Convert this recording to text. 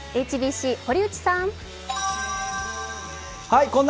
ＨＢＣ、堀内さん。